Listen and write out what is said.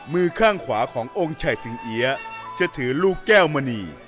มือข้างขวาขององค์ชัยสิงเอี๊ยจะถือลูกแก้วมณี